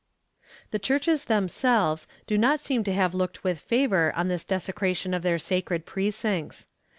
The churches themselves do not seem to have looked with favor on this desecration of their sacred precincts.